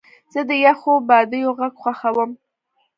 زه د یخو بادیو غږ خوښوم.